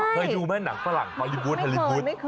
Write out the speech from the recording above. เคยดูไหมหนังฝรั่งบริกุทธาลิวุธ